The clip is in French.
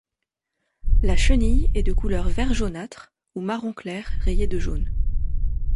La chenille est de couleur vert jaunâtre ou marron clair rayé de jaune.